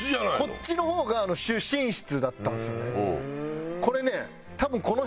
こっちの方が主寝室だったんですよね。